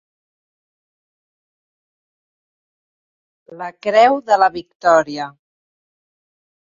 La Creu de la Victòria.